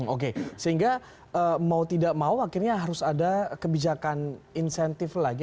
oke sehingga mau tidak mau akhirnya harus ada kebijakan insentif lagi